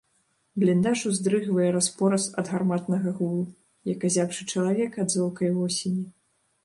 Бліндаж уздрыгвае раз-пораз ад гарматнага гулу, як азябшы чалавек ад золкай восені.